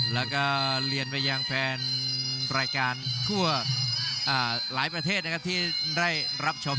แล้วก็เรียนไปยังแฟนรายการทั่วหลายประเทศนะครับที่ได้รับชม